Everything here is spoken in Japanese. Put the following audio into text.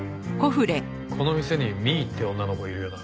この店に美依って女の子いるよな？